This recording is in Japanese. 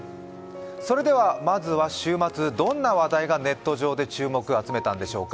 それではまずは週末どんな話題がネット上で注目を集めたんでしょうか。